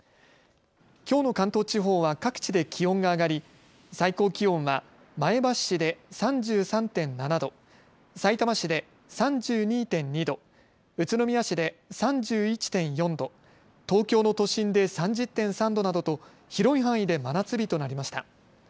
きょうの関東地方は各地で気温が上がり最高気温は前橋市で３３．７度、さいたま市で３２．２度、宇都宮市で３１．４度、東京の都心で３０．３度などと広い範囲で真夏日となりました。